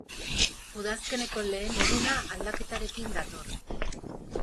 Udazkeneko lehen eguna aldaketarekin dator.